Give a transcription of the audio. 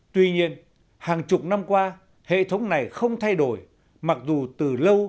tuy nhiên hàng chục năm qua hệ thống này không thay đổi mặc dù từ lâu